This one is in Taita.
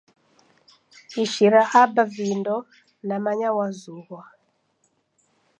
Ishira Aba vindo namanya wazughwa.